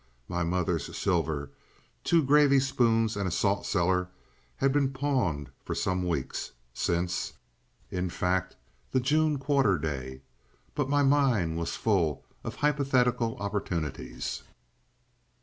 My mother's silver—two gravy spoons and a salt cellar—had been pawned for some weeks, since, in fact, the June quarter day. But my mind was full of hypothetical opportunities.